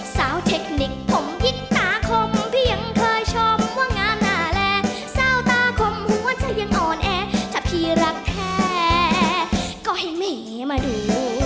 สาวเทคนิคผมยิ่งหนาคมเพียงเคยชมว่างานหน้าแลสาวตาคมหัวใจยังอ่อนแอถ้าพี่รักแท้ก็ให้แม่มาดู